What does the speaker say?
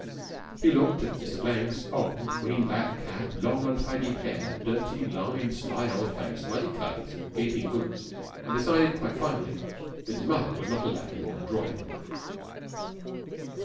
He looked at Mr. Blank's old green black cap, long, untidy hair, dirty, lined, sly old face, muddy clothes and gaping boots, and decided quite finally that his mother would not allow him in her drawing room.